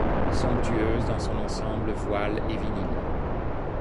somptueuse dans son ensemble voiles et vinyle.